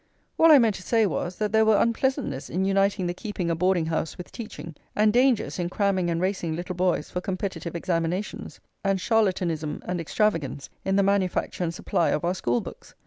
All I meant to say was, that there were unpleasantnesses in uniting the keeping a boarding house with teaching, and dangers in cramming and racing little boys for competitive examinations, and charlatanism and extravagance in the manufacture and supply of our school books.